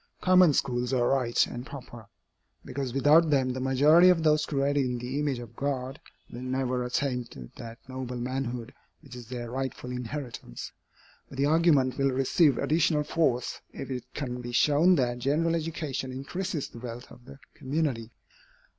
Common schools are right and proper, because without them the majority of those created in the image of God will never attain to that noble manhood which is their rightful inheritance. But the argument will receive additional force, if it can be shown that general education increases the wealth of the community.